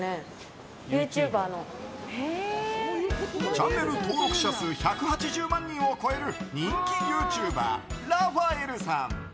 チャンネル登録者数１８０万人を超える人気ユーチューバーラファエルさん。